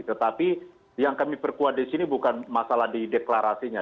tetapi yang kami perkuat di sini bukan masalah di deklarasinya